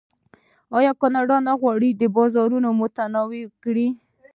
آیا کاناډا نه غواړي بازارونه متنوع کړي؟